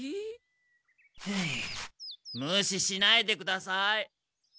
ムシしないでください。